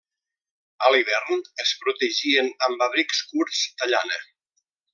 A l'hivern es protegien amb abrics curts de llana.